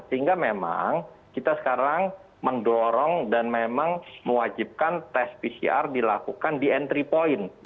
sehingga memang kita sekarang mendorong dan memang mewajibkan tes pcr dilakukan di entry point